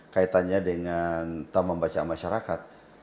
kaitannya dengan taman bacaan masyarakat